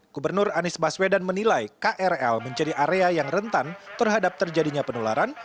gubernur anies baswedan menilai krl menjadi area yang rentan terhadap terjadinya penularan